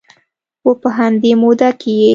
و په همدې موده کې یې